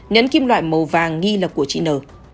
nhấn kim loại màu vàng nghi là của chị n